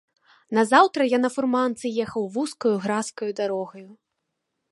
Назаўтра я на фурманцы ехаў вузкаю, гразкаю дарогаю.